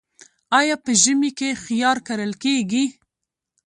آیا په ژمي کې خیار کرل کیږي؟